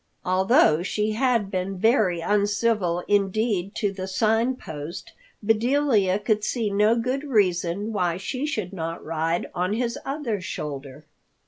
Although she had been very uncivil indeed to the Sign Post, Bedelia could see no good reason why she should not ride on his other shoulder.